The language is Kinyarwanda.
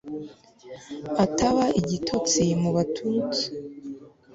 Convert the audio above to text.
ataba igitotsi mu batutsi